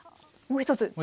もう一つ。